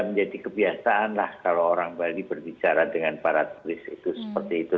menjadi kebiasaan lah kalau orang bali berbicara dengan para turis itu seperti itu